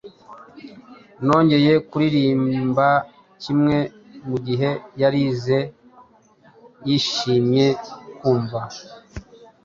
Nongeye kuririmba kimwe Mugihe yarize yishimye kumva